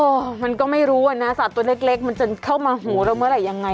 มันก็ไม่รู้อ่ะนะสัตว์ตัวเล็กมันจะเข้ามาหูเราเมื่อไหร่ยังไง